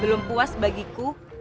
belum puas bagiku